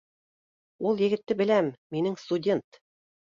- Ул егетте беләм, минең студент